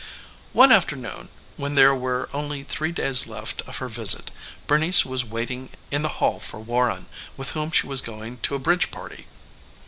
One afternoon when there were only three days left of her visit Bernice was waiting in the hall for Warren, with whom she was going to a bridge party.